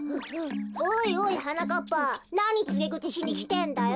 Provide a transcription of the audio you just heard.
おいおいはなかっぱなにつげぐちしにきてんだよ。